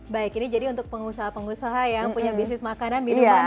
baik ini jadi untuk pengusaha pengusaha yang punya bisnis makanan minuman